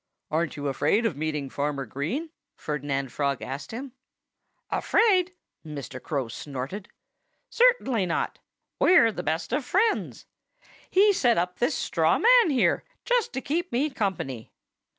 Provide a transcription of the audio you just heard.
"Aren't you afraid of meeting Farmer Green?" Ferdinand Frog asked him. "Afraid?" Mr. Crow snorted. "Certainly not! We're the best of friends. He set up this straw man here, just to keep me company.